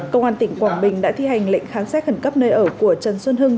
công an tỉnh quảng bình đã thi hành lệnh khám xét khẩn cấp nơi ở của trần xuân hưng